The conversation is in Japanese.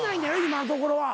今のところは。